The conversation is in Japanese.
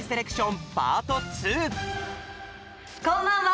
こんばんは！